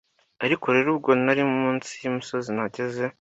Ariko rero ubwo nari munsi yumusozi nageze